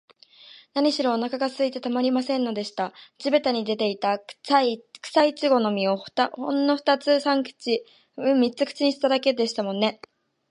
なにしろ、おなかがすいてたまりませんでした。地びたに出ていた、くさいちごの実を、ほんのふたつ三つ口にしただけでしたものね。